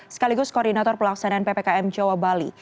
sekaligus koordinator pelaksanaan ppkm jawa bali